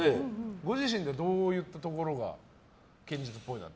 ご自身でどういうところが堅実っぽいなと。